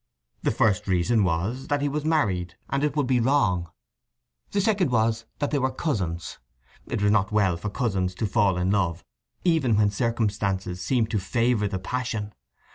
The first reason was that he was married, and it would be wrong. The second was that they were cousins. It was not well for cousins to fall in love even when circumstances seemed to favour the passion.